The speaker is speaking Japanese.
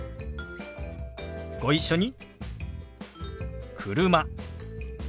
ご一緒に。